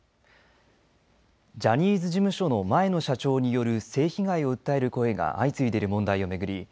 ジャニーズ事務所の前の社長による性被害を訴える声が相次いでいる問題を巡り